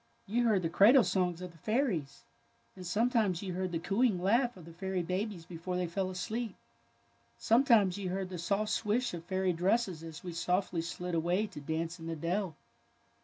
"'^ You heard the cradle songs of the fairies, and sometimes you heard the cooing laugh of the fairy babies before they fell asleep. Sometimes you heard the soft swish of fairy dresses as we softly slid away to dance in the dell."